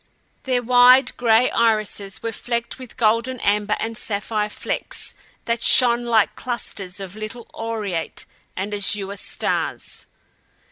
Their wide gray irises were flecked with golden amber and sapphire flecks that shone like clusters of little aureate and azure stars.